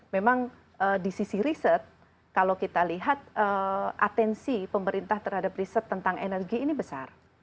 memang di sisi riset kalau kita lihat atensi pemerintah terhadap riset tentang energi ini besar